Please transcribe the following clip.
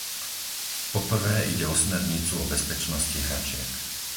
Po prvé ide o smernicu o bezpečnosti hračiek.